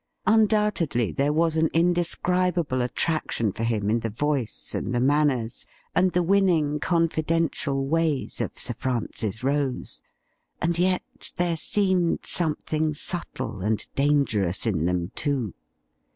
Undoubtedly there was an indescribable attraction for him in the voice and the manners and the winning, confi dential ways of Sir Francis Rose, and yet there seemed something subtle and dangerous in them, too.